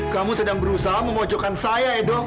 kamu sedang berusaha memojokkan saya edo